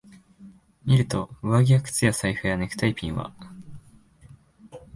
見ると、上着や靴や財布やネクタイピンは、